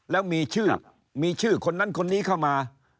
แล้วมีชื่อมีชื่อคนนั้นคนนี้เข้ามา